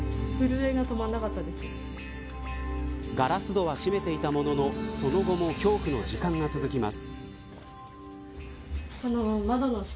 ガラス戸は閉めていたもののその後も恐怖の時間が続きます。